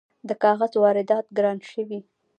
د کاغذ واردات ګران شوي؟